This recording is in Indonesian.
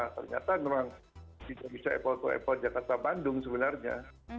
ternyata memang tidak bisa apple to apple jakarta bandung sebenarnya